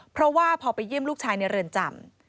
เพราะว่าพอไปเยี่ยมลูกชายในเรือนจำ